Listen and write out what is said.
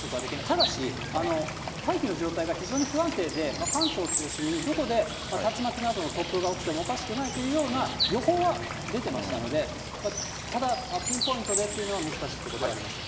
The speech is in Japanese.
ただし、大気の状態が非常に不安定で、関東中心に、どこで竜巻などの突風が起きてもおかしくないというような予報は出ていましたので、ただ、ピンポイントでっていうのは難しいところではあります。